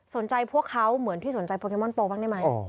พวกเขาเหมือนที่สนใจโปเกมอนโวบ้างได้ไหม